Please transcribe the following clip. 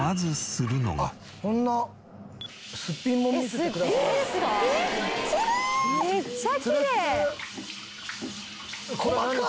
めっちゃきれい！